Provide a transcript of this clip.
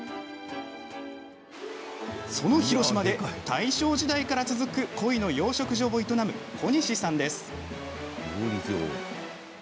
その広島で大正時代から続くコイの養殖場を営む小西さんです。